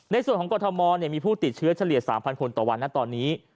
ในส่วนของกรทมมีผู้ติดเชื้อเฉลี่ย๓๐๐คนต่อวันนะตอนนี้